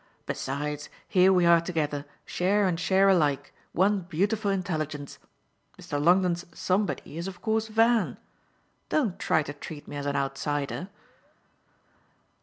"Besides, here we are together, share and share alike one beautiful intelligence. Mr. Longdon's 'somebody' is of course Van. Don't try to treat me as an outsider."